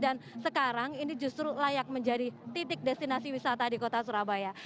dan sekarang ini justru layak menjadi titik destinasi wisata di kota surabaya